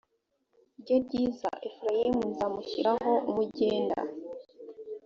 rye ryiza efurayimu nzamushyiraho umugenda